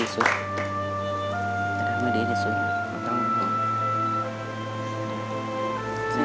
สุดท้าย